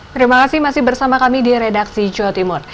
terima kasih masih bersama kami di redaksi jawa timur